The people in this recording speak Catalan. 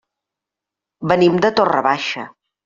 Venim de Torre Baixa.